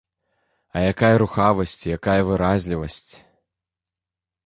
А якая рухавасць, якая выразлівасць!